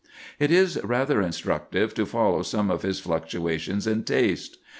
It is rather instructive to follow some of his fluctuations in taste.